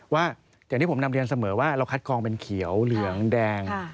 ว่าอย่างที่ผมนำเรียนเสมอว่าเราคัดกองเป็นเขียวเหลืองแดง